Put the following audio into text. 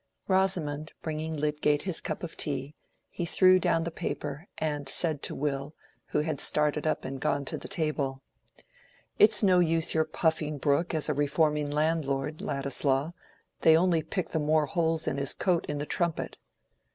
Rosamond bringing Lydgate his cup of tea, he threw down the paper, and said to Will, who had started up and gone to the table— "It's no use your puffing Brooke as a reforming landlord, Ladislaw: they only pick the more holes in his coat in the 'Trumpet.